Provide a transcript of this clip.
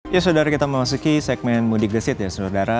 ya saudara kita memasuki segmen mudik gesit ya saudara